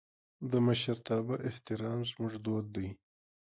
د مشرتابه احترام زموږ دود دی.